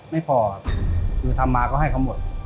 ไม่พอคือทำมาก็ให้เขาหมด